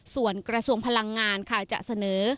ส่วนกระทรวงพลังงานค่ะจะเสนอ